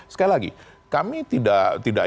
sekali lagi kami tidak